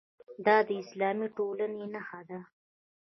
دا د اسلامي ټولنې نښه ده.